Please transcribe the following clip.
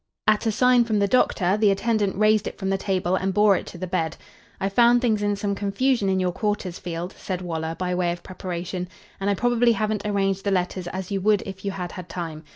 At a sign from the doctor, the attendant raised it from the table and bore it to the bed. "I found things in some confusion in your quarters, Field," said Waller, by way of preparation, "and I probably haven't arranged the letters as you would if you had had time.